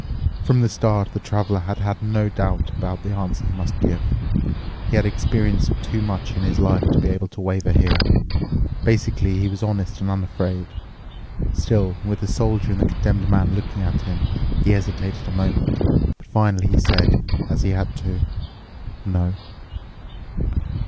From the start the Traveler had had no doubts about the answer he must give. He had experienced too much in his life to be able to waver here. Basically he was honest and unafraid. Still, with the Soldier and the Condemned Man looking at him, he hesitated a moment. But finally he said, as he had to, "No."